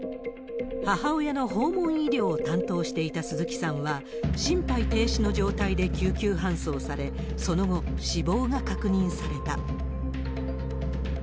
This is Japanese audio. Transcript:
母親の訪問医療を担当していた鈴木さんは、心肺停止の状態で救急搬送され、その後、死亡が確認された。